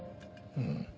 うん。